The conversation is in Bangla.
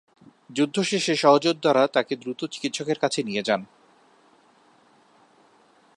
যুদ্ধ শেষে সহযোদ্ধারা তাকে দ্রুত চিকিৎসকের কাছে নিয়ে যান।